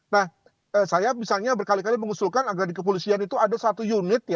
nah saya misalnya berkali kali mengusulkan agar di kepolisian itu ada satu unit